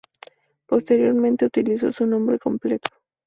Posteriormente utilizó su nombre completo.